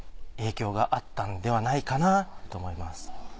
影響があったんではないかなと思います。